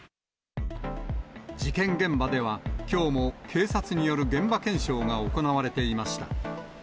事件現場では、きょうも警察による現場検証が行われていました。